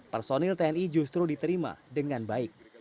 personil tni justru diterima dengan baik